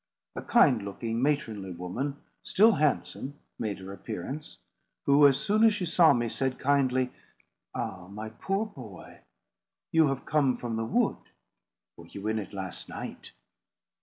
A kind looking, matronly woman, still handsome, made her appearance; who, as soon as she saw me, said kindly, "Ah, my poor boy, you have come from the wood! Were you in it last night?"